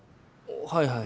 はいはい。